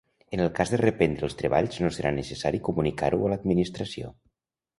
En el cas de reprendre els treballs no serà necessari comunicar-ho a l'Administració.